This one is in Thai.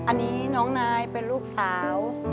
อันนี้น้องนายเป็นลูกสาว